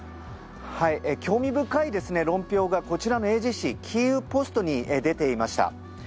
興味深い論評がこちらの英字紙キーウ・ポストに出ていました。